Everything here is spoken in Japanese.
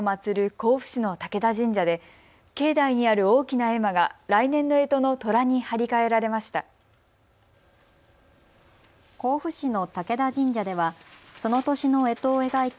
甲府市の武田神社で境内にある大きな絵馬が来年のえとのとらに貼り替えられました。